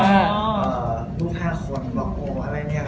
แล้วลูกห้าคนบอกว่าอะไรเนี่ย